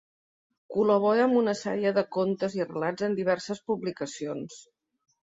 Col·labora amb una sèrie de contes i relats en diverses publicacions.